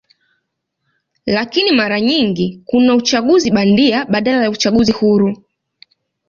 Lakini mara nyingi kuna uchaguzi bandia badala ya uchaguzi huru.